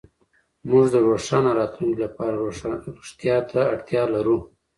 موږ د روښانه راتلونکي لپاره رښتيا ته اړتيا لرو.